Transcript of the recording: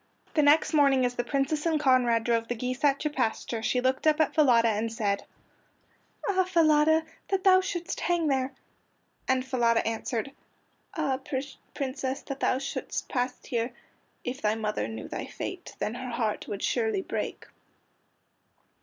The next morning as the Princess and Conrad drove the geese out to pasture she looked up at Falada and said: "Ah, Falada, that thou shouldst hang there!" And Falada answered: "Ah, Princess, that thou shouldst pass here! If thy mother knew thy fate, Then her heart would surely break!"